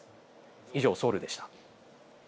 以上、ソウルでした。